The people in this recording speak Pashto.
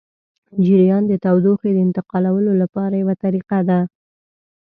جریان د تودوخې د انتقالولو لپاره یوه طریقه ده.